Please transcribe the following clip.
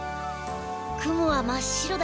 雲は真っ白だ